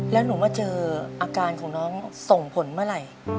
แล้วหนูมาเจออาการของน้องส่งผลเมื่อไหร่